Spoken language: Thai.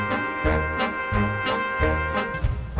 ไข่ไก่โอเยี่ยมอ้างอร่อยแท้อยากกิน